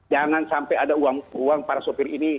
jangan sampai ada uang para sopir ini